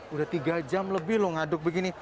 udah tiga jam lebih loh ngaduk begini